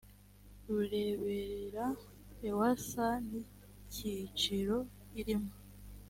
rureberera ewsa n icyiciro irimo